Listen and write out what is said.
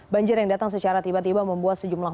banjir yang datang secara tiba tiba membuat sejumlah